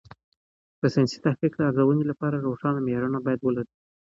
د ساینسي تحقیق د ارزونې لپاره روښانه معیارونه باید ولري.